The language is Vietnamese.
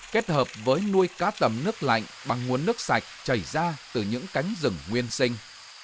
kết hợp với nuôi cá tầm nước lạnh bằng nguồn nước sạch chảy ra từ những cánh rừng nguyên sinh